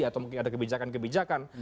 atau mungkin ada kebijakan kebijakan